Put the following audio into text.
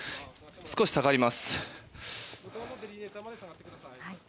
少し下がります。